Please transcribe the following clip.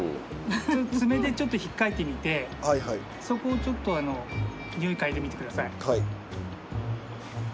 爪でちょっとひっかいてみてそこをちょっと匂い嗅いでみて下さい。